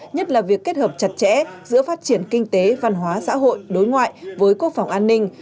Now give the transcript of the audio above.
nhất là việc kết hợp chặt chẽ giữa phát triển kinh tế văn hóa xã hội đối ngoại với quốc phòng an ninh